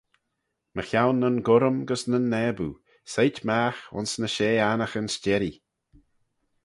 Mychione nyn gurrym gys nyn naboo; soit magh ayns ny shey annaghyn s'jerree.